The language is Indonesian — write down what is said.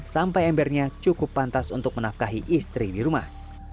sampai embernya cukup pantas untuk menafkahi istri di rumah